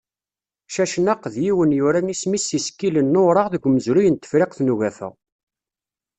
Cacnaq, d yiwen yuran isem-is s yisekkilen n ureɣ deg umezruy n Tefriqt n Ugafa.